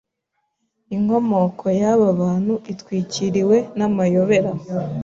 Inkomoko y'aba bantu itwikiriwe n'amayobera.